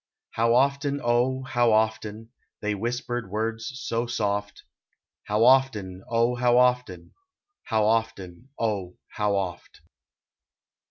I low often, oh! how often They whispered words so soft ; How often, oh! how often, How often, oh ! how oft.